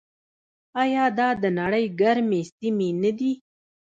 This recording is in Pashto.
آیا دا د نړۍ ګرمې سیمې نه دي؟